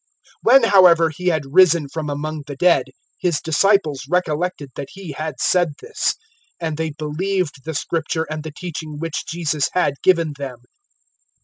002:022 When however He had risen from among the dead, His disciples recollected that He had said this; and they believed the Scripture and the teaching which Jesus had given them.